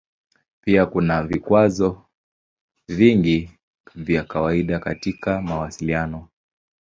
Pia kuna vikwazo vingi vya kawaida katika mawasiliano.